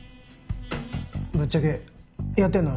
ぶっちゃけやってんの？